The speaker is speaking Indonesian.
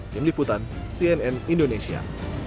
yang meliputan cnn indonesia